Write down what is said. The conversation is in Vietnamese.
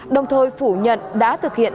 đồng thời phủ nhận đã thực hiện